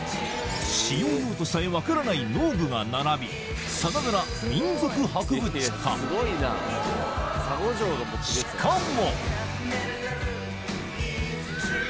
使用用途さえ分からない農具が並びさながらしかも！